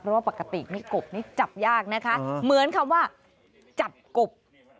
เพราะว่าปกตินี่กบนี่จับยากนะคะเหมือนคำว่าจับกบ